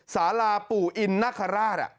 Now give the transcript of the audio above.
สาราปู่อินนาคาราช